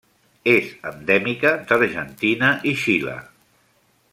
És endèmica d'Argentina i Xile.